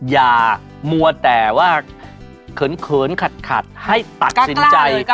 อย่ามัวแต่ว่าเขินขัดให้ตัดสินใจ